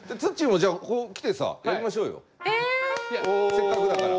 せっかくだから。